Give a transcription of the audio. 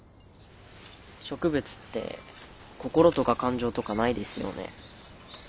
植物って心とか感情とかないですよね。